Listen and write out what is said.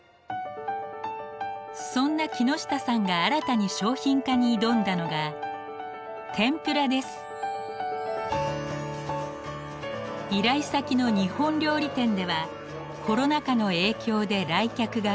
そんな木下さんが新たに商品化に挑んだのが依頼先の日本料理店ではコロナ禍の影響で来客が減少。